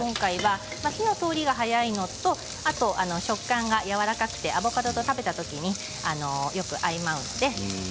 火の通りが早いのと食感がやわらかくてアボカドと食べた時によく合うんですね。